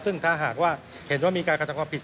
ซึ่งถ้าหากว่าเห็นว่ามีการกระทำความผิด